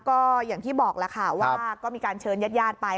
ก็อย่างที่บอกล่ะค่ะว่าก็มีการเชิญญาติญาติไป